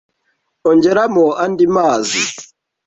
Ongeramo andi mazi.